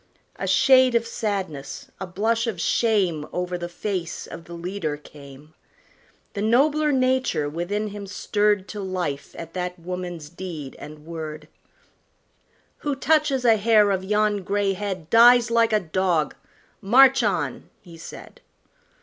A shade of sadness, a blush of shame, Over the face of the leader came; The nobler nature within him stirred To life at that woman's deed and word: "Who touches a hair of yon gray head Dies like a dog; march on!" he said.